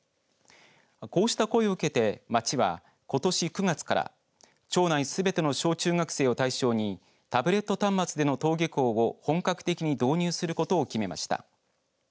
こうした声を受けて町はことし９月から町内すべての小中学生を対象にタブレット端末での登下校を本格的に導入することを決めました。